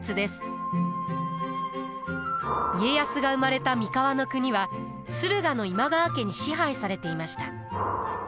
家康が生まれた三河国は駿河の今川家に支配されていました。